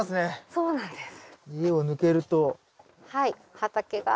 そうなんですよ。